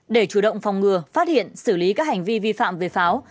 để chủ động phòng ngừa phát hiện xử lý các hành vi vi phạm về pháo